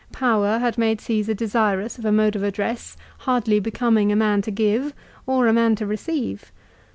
Power had made Csesar desirous of a mode of address hardly becoming a man to give or a man to receive.